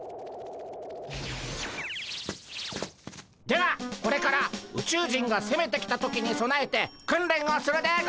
ではこれから宇宙人がせめてきた時にそなえて訓練をするでゴンス。